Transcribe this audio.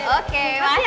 oke makasih ya